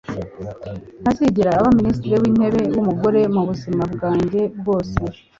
Ntazigera aba Minisitiri wintebe wumugore mubuzima bwanjye bwose